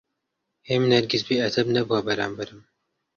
هێمن هەرگیز بێئەدەب نەبووە بەرامبەرم.